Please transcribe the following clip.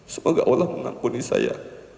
semoga allah mengampuni saya